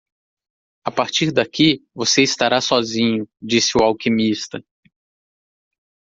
"A partir daqui,? você estará sozinho?", disse o alquimista.